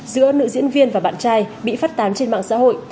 giữa nữ diễn viên và bạn trai bị phát tán trên mạng xã hội